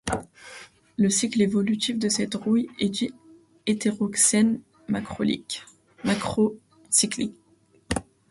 Le cycle évolutif de cette rouille est dit hétéroxène, macrocyclique.